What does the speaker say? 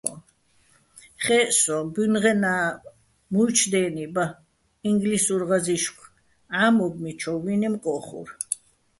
ხე́ჸ სოჼ, ბუჲნღენა́ჲ მუჲჩო̆ დე́ნი ბა, ინგლისურ ღაზი́ვხ ჺამობ მიჩუ́ჲშვ, ვინემ კო́ხურ.